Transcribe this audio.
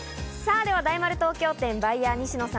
では大丸東京店バイヤー・西野さん